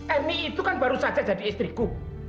emi itu kan baru saja jadi istriku